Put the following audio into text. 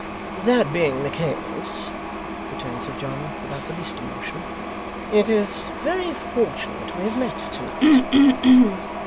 'That being the case,' returned Sir John, without the least emotion, 'it is very fortunate we have met to night.